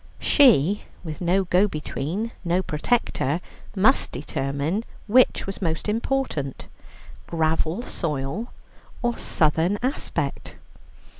She, with no go between, no protector, must determine which was most important gravel soil or southern aspect.